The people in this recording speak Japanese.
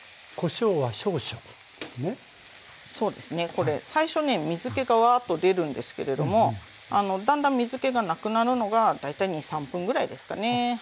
これ最初ね水けがワーッと出るんですけれどもだんだん水けがなくなるのが大体２３分ぐらいですかね。